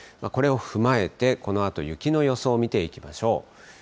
これを踏まえて、このあと雪の予想を見ていきましょう。